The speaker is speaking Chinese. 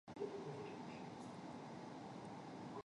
这个案例的教训让张伟平决定成立自己的电影公司。